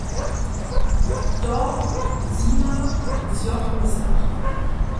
To zjima w třoch myslach.